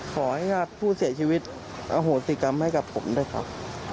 ขอให้ญาติผู้เสียชีวิตอโหสิกรรมให้กับผมด้วยครับ